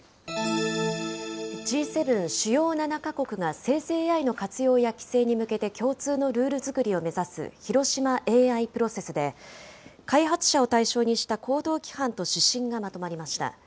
Ｇ７・主要７か国が生成ＡＩの活用や規制に向けて共通のルール作りを目指す広島ＡＩプロセスで、開発者を対応にした行動規範と指針がまとまりました。